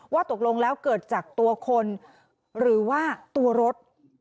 ว่าตกลงแล้วเกิดจากตัวคนหรือว่าตัวรถ